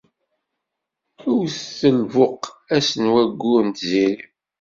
Wtet lbuq ass n wayyur n tziri.